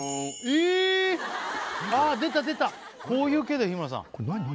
えっああ出た出たこういう系だよ日村さんこれ何？何？